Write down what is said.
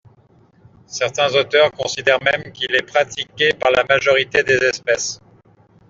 Certains auteurs considèrent même qu'il est pratiqué par la majorité des espèces.